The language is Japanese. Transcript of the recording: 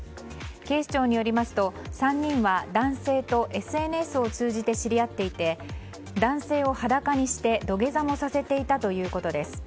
警視庁によりますと３人は男性とＳＮＳを通じて知り合っていて、男性を裸にして土下座もさせていたということです。